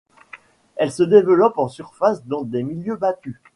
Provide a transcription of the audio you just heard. Elle se développe en surface, dans des milieux battus.